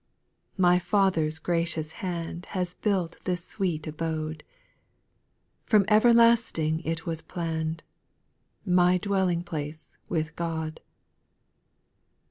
2. My Father's gracious han4 Has built this sweet abode ; ^p'rom everlasting it was planned ; My dwelling place with God.